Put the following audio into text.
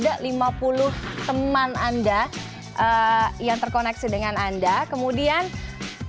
dan menggunakan programmed atau klipsch el cabin ini